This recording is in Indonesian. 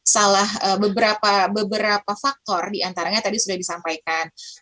salah beberapa faktor diantaranya tadi sudah disampaikan